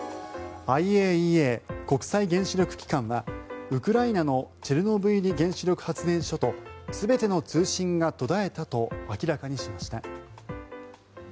ＩＡＥＡ・国際原子力機関はウクライナのチェルノブイリ原子力発電所と全ての通信が途絶えたと明らかにしました。